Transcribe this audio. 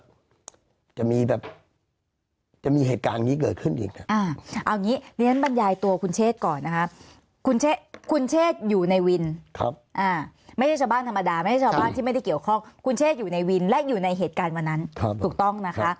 ได้แบบสิ่งสุดที่ก็ดีหรืออะไรยังไงและกลัวว่าเค้าแบบจะมีนับจะมีเหตุการณ์หนึ่งเกิดขึ้นอย่างนั้นอ้าวนี้เน้นบรรยายตัวคุณเชฟก่อนนะครับคืนเช